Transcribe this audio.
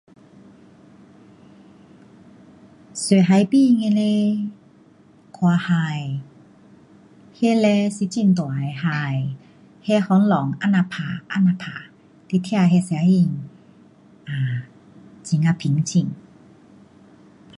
坐海边的嘞，看海，那嘞是很大的海，那风浪这样打，这样打。你听那声音 um 很呀平静。